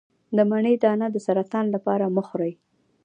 د مڼې دانه د سرطان لپاره مه خورئ